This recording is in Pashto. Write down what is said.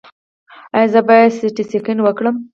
ایا زه باید سټي سکن وکړم؟